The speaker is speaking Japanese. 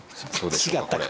違ったか。